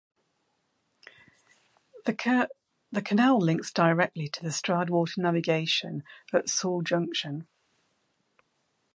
The canal links directly to the Stroudwater Navigation at Saul Junction.